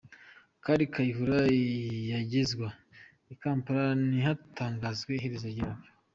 Kale Kayihura yagezwa i Kampala ntiharatangazwa iherezo ryabyo.